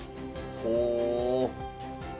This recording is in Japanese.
ほう。